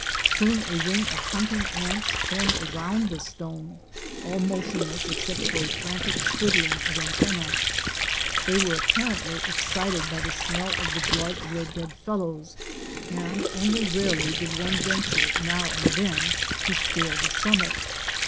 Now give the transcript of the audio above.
Soon a ring of hunting ants formed around the stone, all motionless except for a frantic twiddling of antenne. They were appar ently excited by the smell of the blood of their dead fellows, and only rarely did one venture now and then to scale the summit.